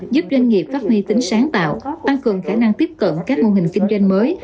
giúp doanh nghiệp phát huy tính sáng tạo tăng cường khả năng tiếp cận các mô hình kinh doanh mới